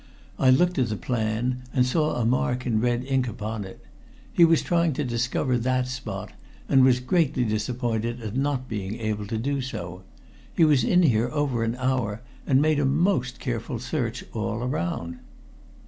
I looked at the plan, and saw a mark in red ink upon it. He was trying to discover that spot, and was greatly disappointed at not being able to do so. He was in here over an hour, and made a most careful search all around."